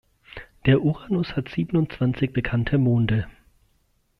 Der Uranus hat siebenundzwanzig bekannte Monde.